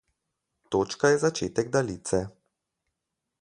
Točka je začetek daljice.